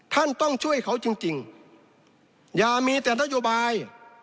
ท่านต้องช่วยเขาจริงอย่ามีแต่นโยบาย